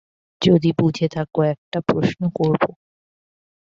যদি বুঝে থাক একটা প্রশ্ন করব।